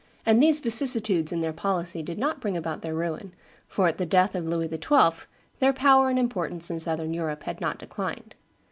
And these vicissitudes in their policy did not bring about their ruin, for at the death of Louis XII. their power and importance in Southern Europe had not declined.